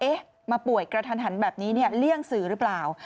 เอ๊ะมาป่วยกระทันแบบนี้เลี่ยงสื่อหรือเปล่า